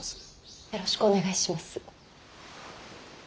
よろしくお願いします。